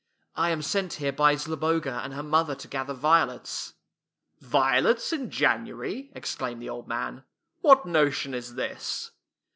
" I am sent here by Zloboga and her mother to gather violets." " Violets in January! " exclaimed the old man. " What notion is this?